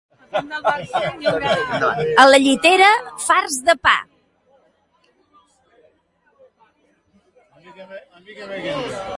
A la Llitera, farts de pa.